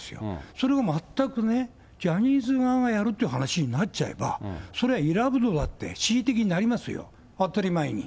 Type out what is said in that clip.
それを全くね、ジャニーズ側がやるって話になっちゃえば、それは選ぶのだって恣意的になりますよ、当たり前に。